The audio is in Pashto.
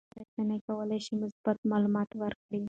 ټولنیزې رسنۍ کولی شي مثبت معلومات ورکړي.